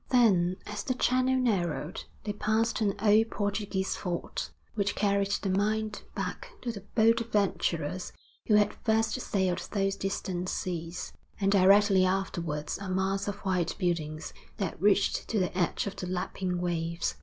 Then as the channel narrowed, they passed an old Portuguese fort which carried the mind back to the bold adventurers who had first sailed those distant seas, and directly afterwards a mass of white buildings that reached to the edge of the lapping waves.